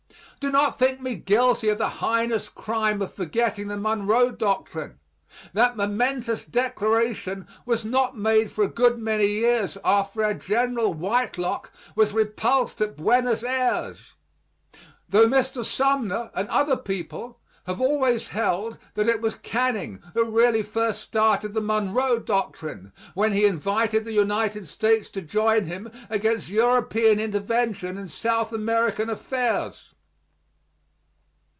Do not think me guilty of the heinous crime of forgetting the Monroe Doctrine. That momentous declaration was not made for a good many years after our Gen. Whitelocke was repulsed at Buenos Ayres, tho Mr. Sumner and other people have always held that it was Canning who really first started the Monroe Doctrine, when he invited the United States to join him against European intervention in South American affairs.